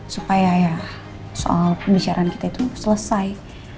supaya ya soal pembicaraan kita itu selesai